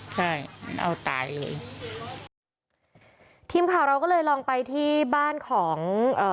ใช่เอาตายเลยทีมข่าวเราก็เลยลองไปที่บ้านของเอ่อ